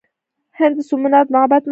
هغه د سومنات معبد مات کړ.